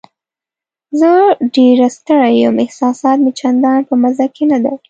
زه ډېره ستړې یم، احساسات مې چندان په مزه کې نه دي.